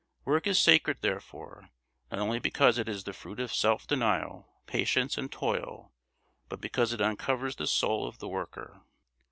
Work is sacred, therefore, not only because it is the fruit of self denial, patience, and toil, but because it uncovers the soul of the worker.